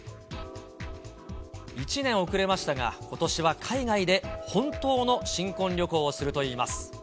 １年遅れましたが、ことしは海外で本当の新婚旅行をするといいます。